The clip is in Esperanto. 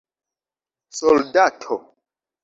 soldato